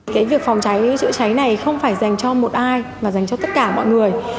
cái việc phòng cháy chữa cháy này không phải dành cho một ai mà dành cho tất cả mọi người